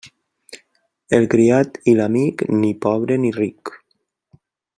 El criat i l'amic, ni pobre ni ric.